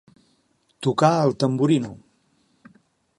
Tocar el tamborino.